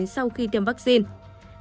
sau khi tiêm vaccine